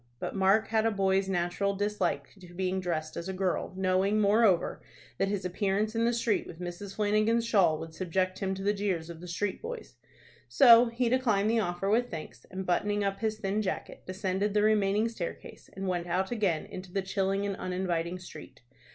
But Mark had a boy's natural dislike to being dressed as a girl, knowing, moreover, that his appearance in the street with Mrs. Flanagan's shawl would subject him to the jeers of the street boys. So he declined the offer with thanks, and, buttoning up his thin jacket, descended the remaining staircase, and went out again into the chilling and uninviting street.